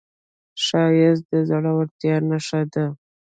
ښایست د زړورتیا نښه ده